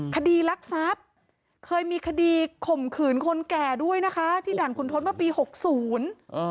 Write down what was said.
คดีรักทรัพย์เคยมีคดีข่มขืนคนแก่ด้วยนะคะที่ด่านคุณทศเมื่อปีหกศูนย์